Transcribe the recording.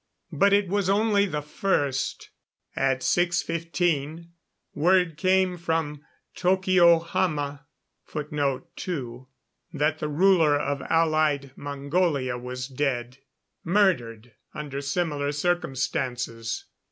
But it was only the first. At 6:15 word came from Tokyohama, that the ruler of Allied Mongolia was dead murdered under similar circumstances.